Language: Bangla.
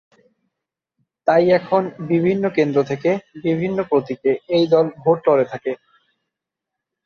তাই এখন বিভিন্ন কেন্দ্র থেকে বিভিন্ন প্রতীকে এই দল ভোট লড়ে থাকে।